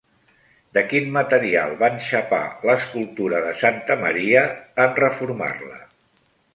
De quin material van xapar l'escultura de santa Maria en reformar-la?